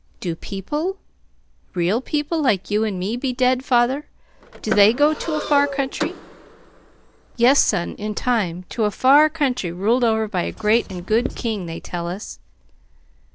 "Do people, real people, like you and me, be dead, father? Do they go to a far country? "Yes, son in time to a far country ruled over by a great and good King they tell us."